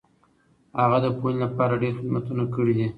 هغه د پوهنې لپاره ډېر خدمتونه کړي دي.